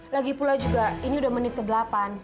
lagi pula juga ini udah menit ke delapan